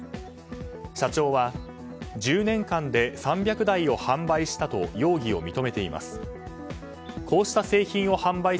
社長は１０年間で３００台を販売したと容疑を認めています。